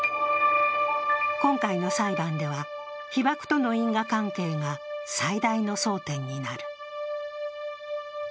今回の裁判では被ばくとの因果関係が最大の争点になる。